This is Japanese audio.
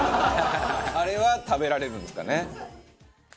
「あれは食べられるんですかね」